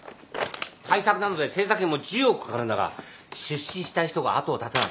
大作なので製作費も１０億掛かるんだが出資したい人が後を絶たない。